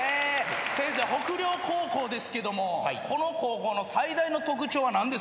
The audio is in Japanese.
先生北陵高校ですけどもこの高校の最大の特徴は何ですか？